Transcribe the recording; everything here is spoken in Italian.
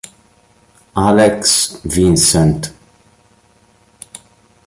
Alex Vincent